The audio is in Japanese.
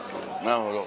なるほど。